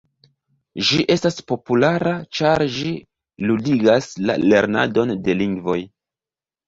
Ĝi estas populara ĉar ĝi “ludigas” la lernadon de lingvoj.